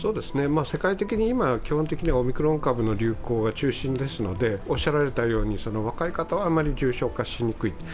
世界的に今、基本的にはオミクロン株の流行が中心ですので、おっしゃられたように、若い方はあまり重症化しにくい。